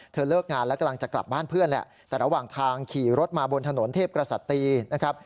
เลิกงานแล้วกำลังจะกลับบ้านเพื่อนแหละแต่ระหว่างทางขี่รถมาบนถนนเทพกษัตรีนะครับ